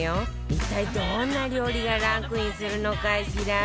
一体どんな料理がランクインするのかしら？